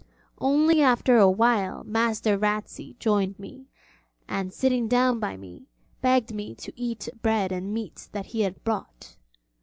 Only after a while Master Ratsey joined me, and sitting down by me, begged me to eat bread and meat that he had brought.